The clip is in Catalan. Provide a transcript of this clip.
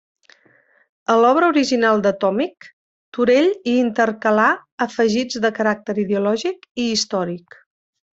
A l'obra original de Tomic, Turell hi intercalà afegits de caràcter ideològic i històric.